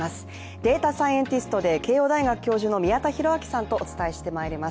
データサイエンティストで慶応大学教授の宮田裕章さんとお伝えしていきます。